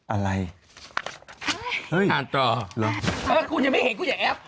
อะไรเฮ้ยอ่านต่อแล้วฮะคุณยังไม่เห็น